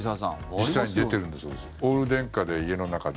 実際に出ているんだそうです。